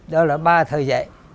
đó là ba thời gian